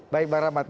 baik bang rahmat